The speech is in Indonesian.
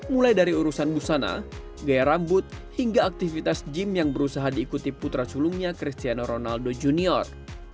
mulai dari urusan busana gaya rambut hingga aktivitas gym yang berusaha diikuti putra sulungnya cristiano ronaldo junior